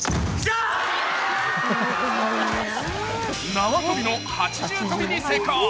縄跳びの８重跳びに成功。